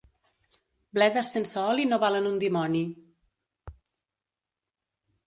Bledes sense oli no valen un dimoni.